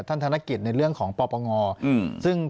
ปากกับภาคภูมิ